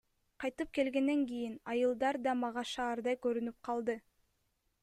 Кайтып келгенден кийин айылдар да мага шаардай көрүнүп калды.